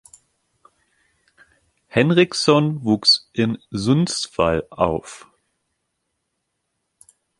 Henriksson wuchs in Sundsvall auf.